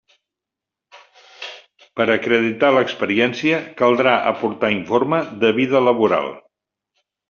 Per acreditar l'experiència caldrà aportar informe de vida laboral.